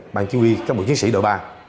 mang chú ý các bộ chiến sĩ đội ba